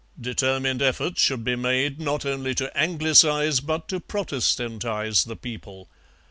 Determined efforts should be made, not only to Anglicize, but to Protestantize the people.